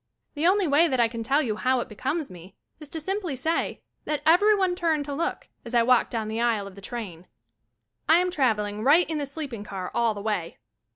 The only way that I can tell you how it becomes me is to simply say that everyone turned to look as I walked down the aisle of the train. I am travelling right in the sleeping car all the way.